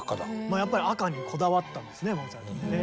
やっぱり赤にこだわったんですねモーツァルト。